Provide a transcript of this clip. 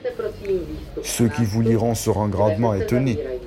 Ceux qui vous liront seront grandement étonnés.